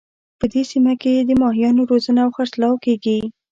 په دې سیمه کې د ماهیانو روزنه او خرڅلاو کیږي